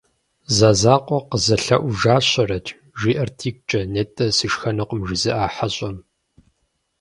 «Зэзакъуэ къызэлъэӏужащэрэт», жиӏэрт игукӏэ, нетӏэ «сышхэнукъым» жызыӏа хьэщӏэм.